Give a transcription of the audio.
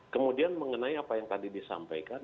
kemudian mengenai apa yang tadi disampaikan